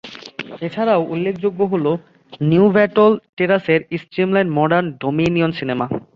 এছাড়াও উল্লেখযোগ্য হল নিউব্যাটল টেরাসের স্ট্রিমলাইন মডার্ন ডমিনিয়ন সিনেমা।